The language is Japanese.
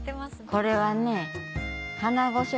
これはね